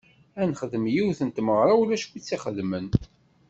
Ad nexdem yiwet n tmeɣra ulac win i tt-ixedmen.